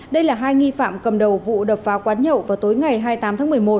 đây là hai nghi phạm cầm đầu vụ đập phá quán nhậu vào tối ngày hai mươi tám tháng một mươi một